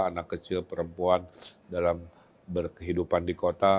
anak kecil perempuan dalam berkehidupan di kota